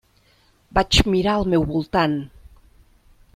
Vaig mirar al meu voltant.